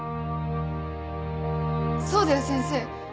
そうだよ先生。